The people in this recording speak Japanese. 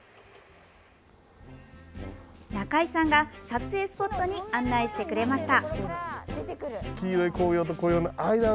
中井さんが、撮影スポットに案内してくれました。